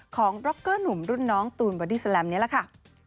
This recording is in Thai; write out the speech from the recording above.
ของร็อกเกอร์หนุ่มรุ่นน้องตูนบอดี้แลมนี้แหละค่ะ